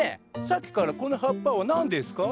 さっきからこの葉っぱは何ですか？